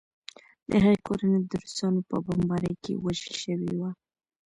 د هغې کورنۍ د روسانو په بمبارۍ کې وژل شوې وه